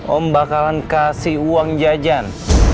om bakalan kasih uang jajan